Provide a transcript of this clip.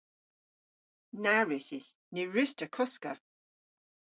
Na wrussys. Ny wruss'ta koska.